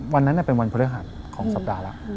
วันนั้นเป็นวันพฤหัสของสัปดาห์แล้ว